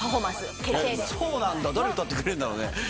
そうなんだ誰歌ってくれるんだろうね。